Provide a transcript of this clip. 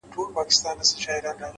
هوډ د ستونزو منځ کې لار جوړوي؛